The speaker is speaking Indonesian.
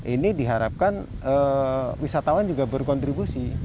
ini diharapkan wisatawan juga berkontribusi